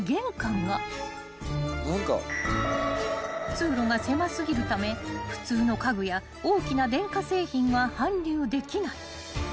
［通路が狭過ぎるため普通の家具や大きな電化製品は搬入できない］